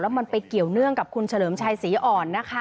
แล้วมันไปเกี่ยวเนื่องกับคุณเฉลิมชัยสีอ่อน